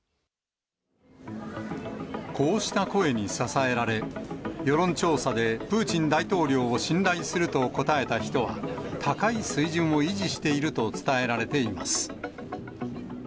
こうした声に支えられ、世論調査でプーチン大統領を信頼すると答えた人は、高い水準を維持していると伝えられています。